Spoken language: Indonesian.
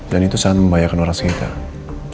dan itu sangat membahayakan orang sekitar